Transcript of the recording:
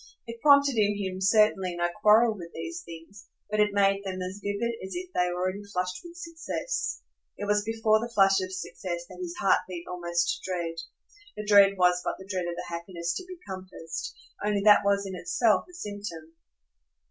It prompted in him certainly no quarrel with these things, but it made them as vivid as if they already flushed with success. It was before the flush of success that his heart beat almost to dread. The dread was but the dread of the happiness to be compassed; only that was in itself a symptom.